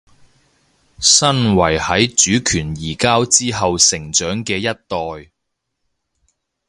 身為喺主權移交之後成長嘅一代